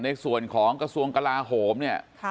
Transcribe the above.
ในส่วนของกระทรวงกลาโหมเนี่ย